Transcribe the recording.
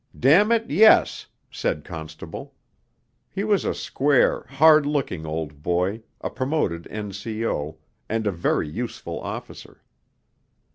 'Damn it, yes,' said Constable; he was a square, hard looking old boy, a promoted N.C.O., and a very useful officer.